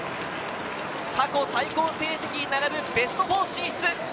過去最高成績に並ぶベスト４進出。